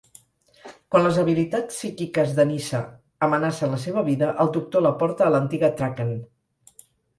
Quan les habilitats psíquiques de Nyssa amenacen la seva vida, el Doctor la porta a l'antiga Traken.